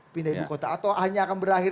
pindah ibu kota atau hanya akan berakhir